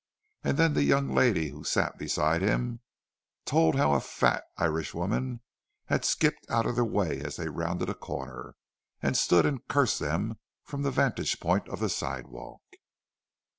And then the young lady who sat beside him told how a fat Irish woman had skipped out of their way as they rounded a corner, and stood and cursed them from the vantage point of the sidewalk.